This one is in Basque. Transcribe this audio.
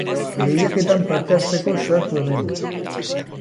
Lehiaketan parte hartzeko sartu hemen.